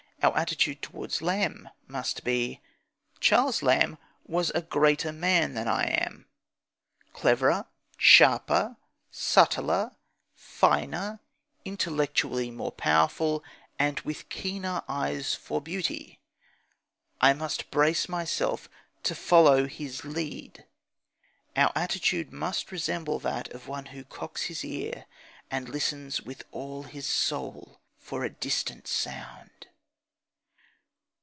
Our attitude towards Lamb must be: "Charles Lamb was a greater man than I am, cleverer, sharper, subtler, finer, intellectually more powerful, and with keener eyes for beauty. I must brace myself to follow his lead." Our attitude must resemble that of one who cocks his ear and listens with all his soul for a distant sound.